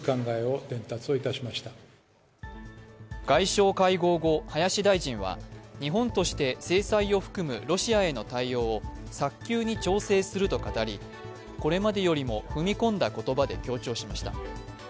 外相会合後、林大臣は日本として制裁を含むロシアへの対応を早急に調整すると語り、これまでよりも踏み込んだ言葉で強調しました。